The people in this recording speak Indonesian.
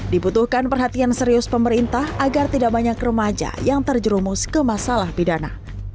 dibutuhkan perhatian serius pemerintah agar tidak banyak remaja yang terjerumus ke masalah pidana